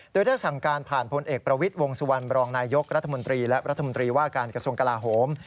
โดยได้สั่งการผ่านพลเอกประวิทย์วงสุวรรณบรองนายยกรัฐมนตรีและรัฐมนตรีว่าการกระทรวงกลาโหม